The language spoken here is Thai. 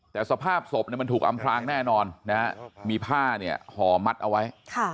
แต่สภาพศพมันถูกอำพลางแน่นอนนะฮะมีผ้าเนี่ยห่อมัดเอาไว้